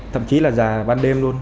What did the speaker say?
thậm chí là giờ ban đêm luôn